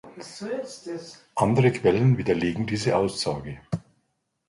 Andere Quellen widerlegen diese Aussage.